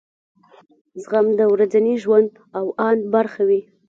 زغم د ورځني ژوند او اند برخه وي.